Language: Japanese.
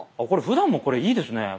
これふだんもこれいいですね。